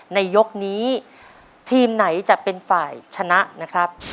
ในยกนี้ทีมไหนจะเป็นฝ่ายชนะนะครับ